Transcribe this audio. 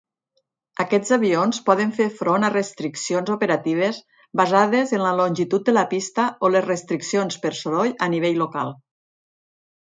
Aquests avions poden fer front a restriccions operatives basades en la longitud de la pista o les restriccions per soroll a nivell local.